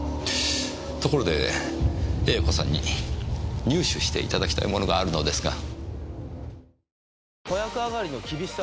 ところで瑛子さんに入手して頂きたいものがあるのですが。